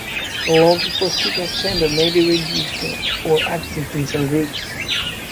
A larger posterior chamber may be reduced or absent in some groups.